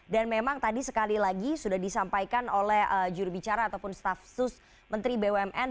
dan memang tadi sekali lagi sudah disampaikan oleh jurubicara ataupun staff sus menteri bumn